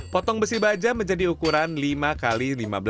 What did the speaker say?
potong besi baja menjadi ukuran lima x lima belas